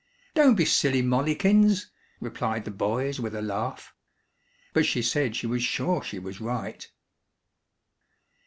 "Don't be silly, Mollikins," replied the boys with a laugh; but she said she was sure she was right.